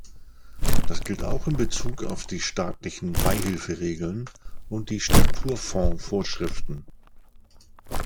Das gilt auch in Bezug auf die staatlichen Beihilferegeln und die Strukturfonds-Vorschriften.